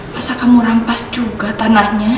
masa kamu rampas juga tanahnya